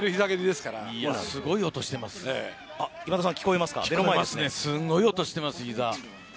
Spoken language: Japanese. すごい音してます、ひざ。